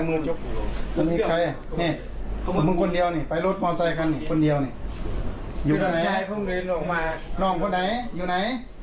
อุ๊ยม้าวพี่คุดรองกันรู้อ่ะ